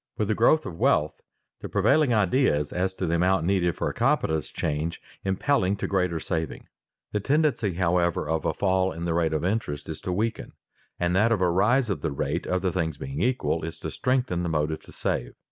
With the growth of wealth, the prevailing ideas as to the amount needed for a competence change, impelling to greater saving. The tendency, however, of a fall in the rate of interest is to weaken, and that of a rise of the rate, other things being equal, is to strengthen the motive to save.